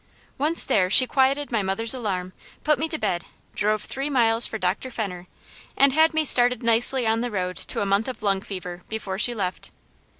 Once there she quieted my mother's alarm, put me to bed, drove three miles for Dr. Fenner and had me started nicely on the road to a month of lung fever, before she left.